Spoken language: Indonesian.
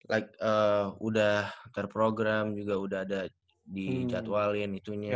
like udah terprogram juga udah ada dicatwalin itunya